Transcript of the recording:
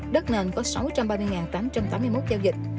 đất nền có sáu trăm ba mươi tám trăm tám mươi một giao dịch